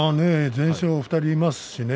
全勝が２人いますしね